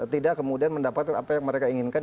tidak kemudian mendapatkan apa yang mereka inginkan